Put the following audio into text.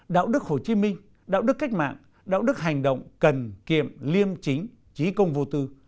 đạo đức hồ chí minh đạo đức cách mạng đạo đức hành động cần kiệm liêm chính trí công vô tư